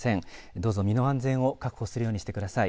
どうぞ身の安全を確保するようにしてください。